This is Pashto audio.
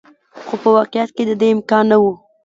خو په واقعیت کې د دې امکان نه و.